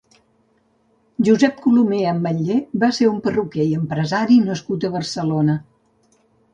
Josep Colomer Ametller va ser un perruquer i empresari nascut a Barcelona.